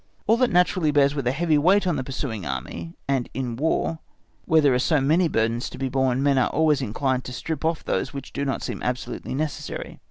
All that naturally bears with a heavy weight on the pursuing Army, and in War, where there are so many burdens to be borne, men are always inclined to strip off those which do not seem absolutely necessary.